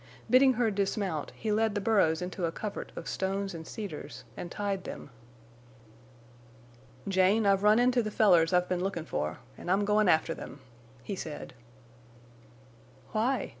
Bidding her dismount, he led the burros into a covert of stones and cedars, and tied them. "Jane, I've run into the fellers I've been lookin' for, an' I'm goin' after them," he said. "Why?"